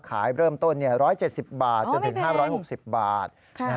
ขายเริ่มต้น๑๗๐บาทจนถึง๕๖๐บาท